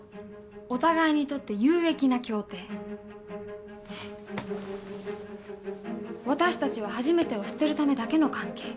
お互いにとって有益な協定ふふっ私たちは初めてを捨てるためだけの関係